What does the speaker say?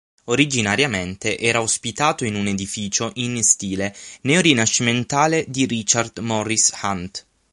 Originariamente era ospitato in un edificio in stile neorinascimentale di Richard Morris Hunt.